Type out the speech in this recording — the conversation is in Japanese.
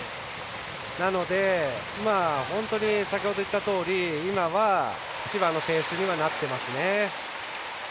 なので、本当に先ほど言ったとおり今は、千葉のペースにはなっていますね。